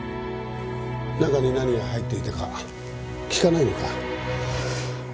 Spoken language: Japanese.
中に何が入っていたか聞かないのか？